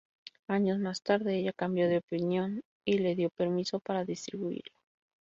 Años más tarde ella cambio de opinión y le dio permiso para distribuirla.